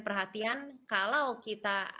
perhatian kalau kita